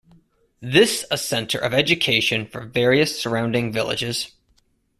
This a center of education for various surrounding villages.